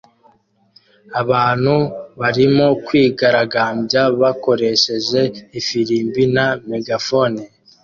abantu barimo kwigaragambya bakoresheje ifirimbi na megafone